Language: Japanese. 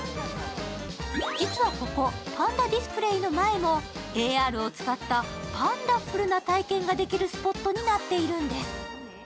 実はここ、パンダディスプレーの前もＡＲを使ったパンダふるな体験ができるスポットになっているんです。